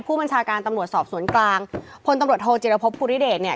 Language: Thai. ผู้บัญชาการตำรวจสอบสวนกลางพลตำรวจโทจิรพบภูริเดชเนี่ย